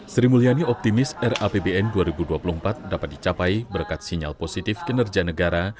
sri mulyani optimis rapbn dua ribu dua puluh empat dapat dicapai berkat sinyal positif kinerja negara